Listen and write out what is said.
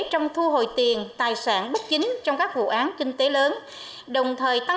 trong thu hồi tiền tài sản bất chính trong các vụ án kinh tế